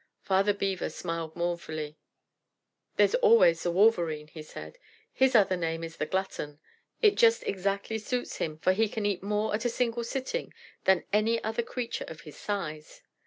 Father Beaver smiled mournfully. "There's always the Wolverene," he said. "His other name is the Glutton. It just exactly suits him, for he can eat more at a sitting than any other creature of his size.